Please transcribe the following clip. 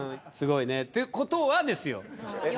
すごいねってことはですよ